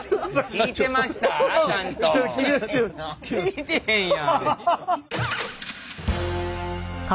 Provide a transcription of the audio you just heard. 聞いてへんやん！